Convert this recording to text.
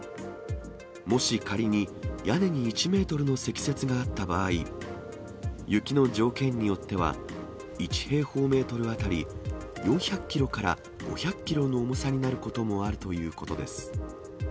もし仮に、屋根に１メートルの積雪があった場合、雪の条件によっては、１平方メートル当たり４００キロから５００キロの重さになることもあるということです。